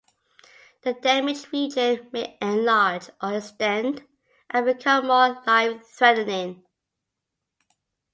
The damaged region may enlarge or extend and become more life-threatening.